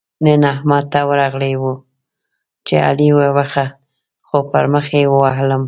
نن احمد ته ورغلی وو؛ چې علي وبښه - خو پر مخ يې ووهلم.